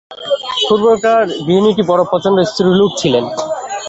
পূর্বকার গৃহিণীটি বড়ো প্রচণ্ড স্ত্রীলোক ছিলেন।